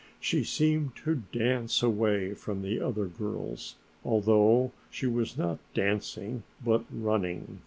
She seemed to dance away from the other girls, although she was not dancing but running.